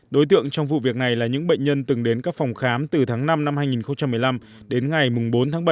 đối tượng trong vụ việc này là những bệnh nhân từng đến các phòng khám từ tháng năm năm hai nghìn một mươi năm đến ngày bốn tháng bảy năm hai nghìn một mươi tám